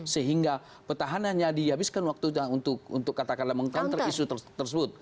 sehingga petahan hanya dihabiskan waktu untuk katakanlah meng counter isu tersebut